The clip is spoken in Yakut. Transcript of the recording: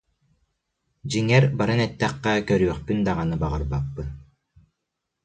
Дьиҥэр баран эттэххэ, көрүөхпүн даҕаны баҕарбаппын